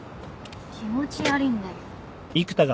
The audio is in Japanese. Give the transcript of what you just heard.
気持ち悪いんだけど。